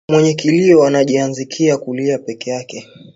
Mwenye kilio anajianziaka kulia yepeke